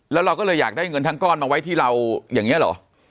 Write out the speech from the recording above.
แล้วเราก็เลยอยากได้เงินทั้งก้อนมาไว้ที่เราอย่างนี้เหรอ